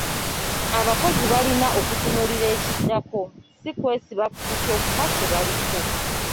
Abakozi balina okutunuulira ekiddako si kwesiba ku kyokka kye baliko.